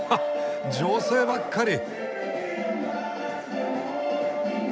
女性ばっかり！